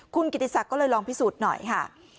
คุณกิติศักดิ์ก็เลยลองพิสูจน์หน่อยค่ะ